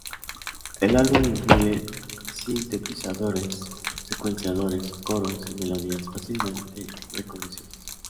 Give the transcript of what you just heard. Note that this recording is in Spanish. El álbum incluye sintetizadores, secuenciadores, coros y melodías fácilmente reconocibles.